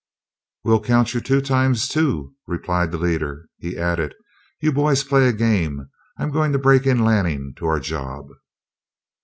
"We'll count you two times two," replied the leader. He added: "You boys play a game; I'm going to break in Lanning to our job."